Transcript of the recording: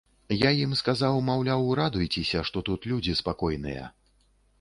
Я ім сказаў, маўляў, радуйцеся, што тут людзі спакойныя.